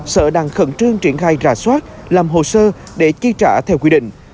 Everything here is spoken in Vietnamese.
sở đang khẩn trương triển khai rà soát làm hồ sơ để chi trả theo quy định